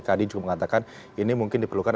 tadi juga mengatakan ini mungkin diperlukan